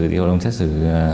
thì hội đồng xét xử